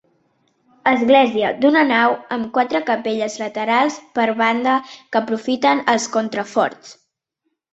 Església d'una nau amb quatre capelles laterals per banda que aprofiten els contraforts.